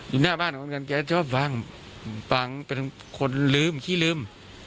อยู่หน้าบ้านของเงินแกชอบฟังฟังเป็นคนลืมขี้ลืม